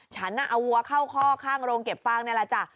ฉันเอาวัวเข้าข้อข้างโรงเก็บฟางนี่แหละจ้ะ